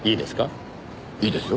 いいですか？